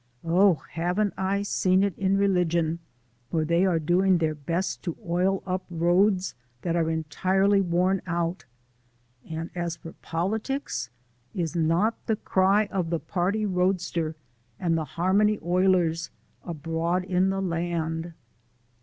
Oh, haven't I seen it in religion, where they are doing their best to oil up roads that are entirely worn out and as for politics, is not the cry of the party roadster and the harmony oilers abroad in the land?"